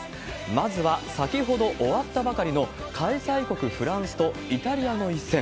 まずは、先ほど終わったばかりの、開催国、フランスと、イタリアの一戦。